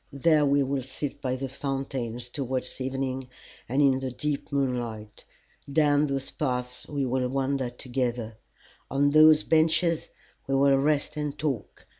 There we will sit by the fountain towards evening and in the deep moonlight. Down those paths we will wander together. On those benches we will rest and talk.